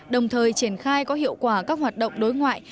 đồng thời triển khai có hiệu quả các hoạt động đối ngoại